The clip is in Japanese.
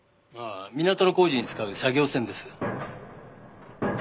港の工事に使う作業船です。